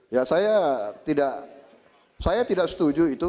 ya saya tidak saya tidak setuju itu